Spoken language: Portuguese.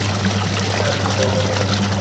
Califórnia